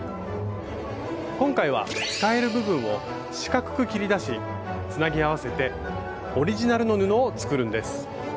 今回は使える部分を四角く切り出しつなぎ合わせてオリジナルの布を作るんです。